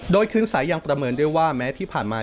โดยคืนสายยังประเมินด้วยว่าแม้ที่ผ่านมา